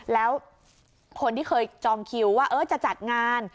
แล้วคนที่เคยจองคิวว่าจะจัดงาน